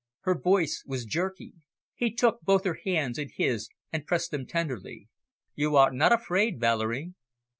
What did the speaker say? Her voice was jerky. He took both her hands in his and pressed them tenderly. "You are not afraid, Valerie?"